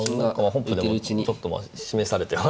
本譜でもちょっと前に示されて。